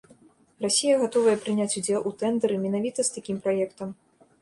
Расія гатовая прыняць удзел у тэндэры менавіта з такім праектам.